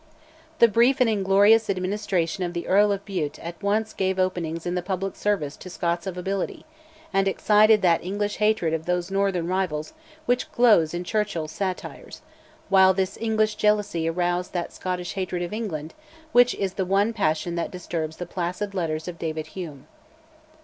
The brief and inglorious administration of the Earl of Bute at once gave openings in the public service to Scots of ability, and excited that English hatred of these northern rivals which glows in Churchill's 'Satires,' while this English jealousy aroused that Scottish hatred of England which is the one passion that disturbs the placid letters of David Hume.